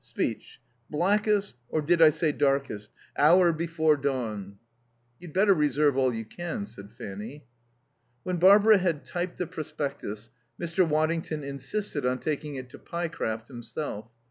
Speech. 'Blackest' or did I say 'darkest'? 'hour before dawn.'" "You'd better reserve all you can," said Fanny. When Barbara had typed the prospectus, Mr. Waddington insisted on taking it to Pyecraft himself.